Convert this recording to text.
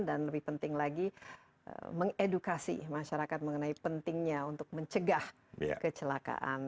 dan lebih penting lagi mengedukasi masyarakat mengenai pentingnya untuk mencegah kecelakaan